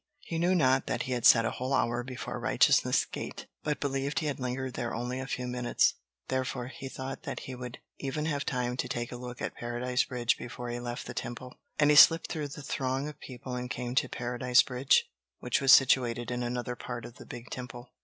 He knew not that he had sat a whole hour before Righteousness' Gate, but believed he had lingered there only a few minutes; therefore, he thought that he would even have time to take a look at Paradise Bridge before he left the Temple. And he slipped through the throng of people and came to Paradise Bridge, which was situated in another part of the big temple.